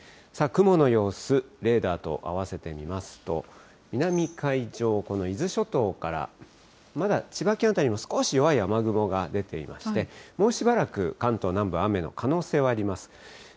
雲の様子、レーダーと合わせて見ますと、南海上、この伊豆諸島からまだ千葉県辺りも少し弱い雨雲が出ていまして、もうしばらく、関東南部、雨の可能性はあります。